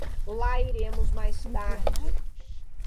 lá iremos mais tarde